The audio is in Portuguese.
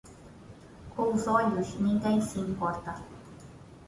Com os olhos, ninguém se importa.